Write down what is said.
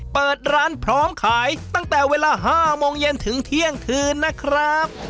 เปิดร้านพร้อมขายตั้งแต่เวลา๕โมงเย็นถึงเที่ยงคืนนะครับ